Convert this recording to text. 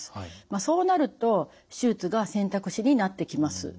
そうなると手術が選択肢になってきます。